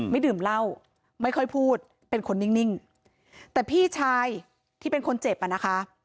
ดื่มเหล้าไม่ค่อยพูดเป็นคนนิ่งแต่พี่ชายที่เป็นคนเจ็บอ่ะนะคะ